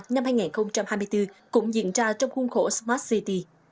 năm hai nghìn hai mươi bốn cũng diễn ra trong khuôn khổ smart tech asia năm hai nghìn hai mươi một